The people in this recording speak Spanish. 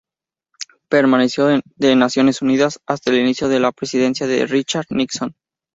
Permaneció en Naciones Unidas hasta el inicio de la presidencia de Richard Nixon.